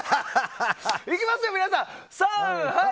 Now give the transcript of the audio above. いきますよ、皆さんサンハイ！